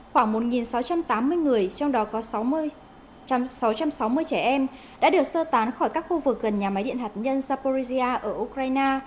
khoảng một sáu trăm tám mươi người trong đó có sáu trăm sáu mươi trẻ em đã được sơ tán khỏi các khu vực gần nhà máy điện hạt nhân saporizia ở ukraine